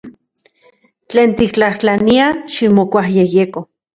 Tlen tiktlajtlania, ximokuayejyeko.